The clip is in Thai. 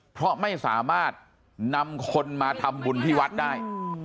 เพราะไม่สามารถนำคนมาทำบุญที่วัดได้